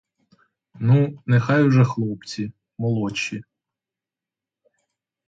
Ну, нехай уже хлопці, молодші.